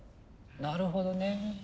なるほどね。